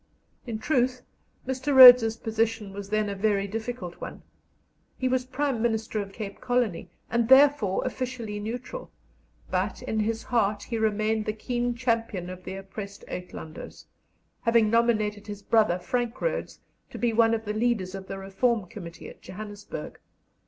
In truth, Mr. Rhodes's position was then a very difficult one: he was Prime Minister of Cape Colony, and therefore officially neutral; but in his heart he remained the keen champion of the oppressed Uitlanders, having nominated his brother, Frank Rhodes, to be one of the leaders of the Reform Committee at Johannesburg.